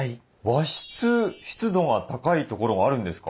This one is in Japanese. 和室湿度が高い所があるんですか？